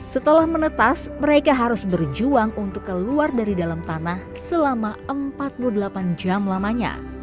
setelah menetas mereka harus berjuang untuk keluar dari dalam tanah selama empat puluh delapan jam lamanya